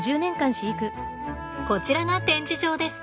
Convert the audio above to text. こちらが展示場です。